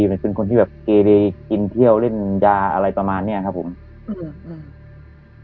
มันเป็นคนที่แบบเกดีกินเที่ยวเล่นยาอะไรประมาณเนี้ยครับผมอืม